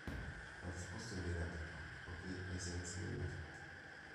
La risposta è negativa, poiché ai sensi dell'art.